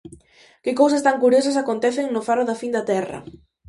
Que cousas tan curiosas acontecen no faro da fin da terra.